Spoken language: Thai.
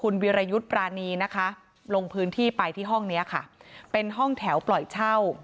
นะคะลงพื้นที่ไปที่ห้องเนี้ยค่ะเป็นห้องแถวปล่อยเช่า